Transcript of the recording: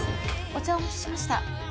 お茶をお持ちしました。